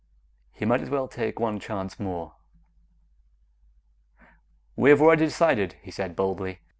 He might as well take one chance more. "We have already decided," he said boldly.